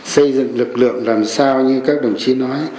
xây dựng lực lượng làm sao như các đồng chí nói